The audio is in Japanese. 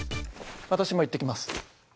私も行ってきます。